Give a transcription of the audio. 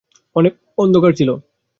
অনেক অন্ধকার ছিল।